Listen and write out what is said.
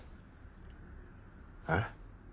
えっ？